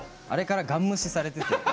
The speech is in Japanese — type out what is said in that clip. あれから、がん無視されてて。